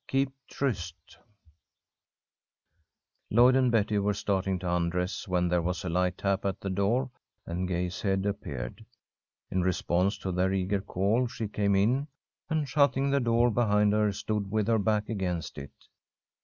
"KEEP TRYST" LLOYD and Betty were starting to undress when there was a light tap at the door, and Gay's head appeared. In response to their eager call, she came in, and, shutting the door behind her, stood with her back against it.